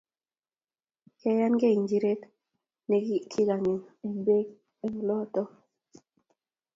Kiayanyegei injiret ne kakenem eng' pek eng ' oloto.